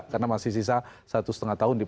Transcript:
karena masih sisa satu setengah tahun